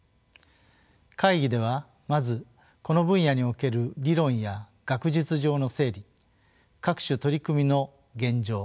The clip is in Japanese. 会議ではまずこの分野における理論や学術上の整理各種取り組みの現状